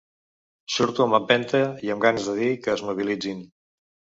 Surto amb empenta i amb ganes de dir que es mobilitzin.